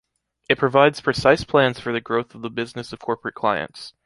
It provides precise plans for the growth of the business of corporate clients.